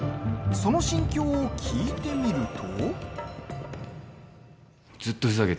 その心境を聞いてみると。